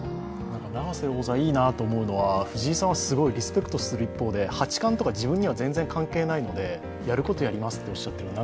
永瀬王座いいなと思うのは、藤井さんはリスペクトする一方で八冠とか自分には全然関係ないのでやることをやりますとおっしゃっているのが。